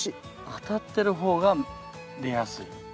当たってる方が出やすい。